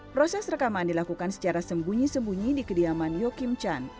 proses rekaman dilakukan secara sembunyi sembunyi di kediaman yo kim chan